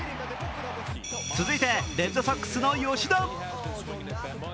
続いてレッドソックスの吉田。